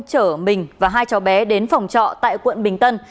chở mình và hai cháu bé đến phòng trọ tại quận bình tân